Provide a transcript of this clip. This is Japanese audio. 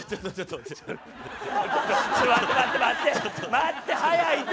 待って早いて。